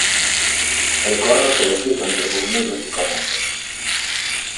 el corro se deshizo entre murmullos y comentos: